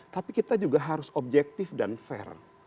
tapi kita juga harus objektif dan fair